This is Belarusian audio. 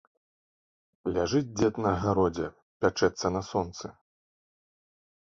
Ляжыць дзед на гародзе, пячэцца на сонцы.